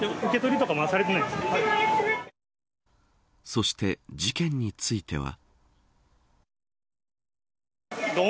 そして、事件については。